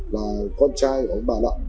là con trai của bà lậm